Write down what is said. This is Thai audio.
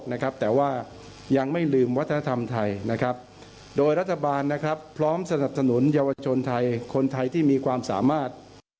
ธนยกบอกชื่นชมมากที่ยังไม่ลืมวัฒนธรรมที่บีงามของไทยที่มีความสามารถ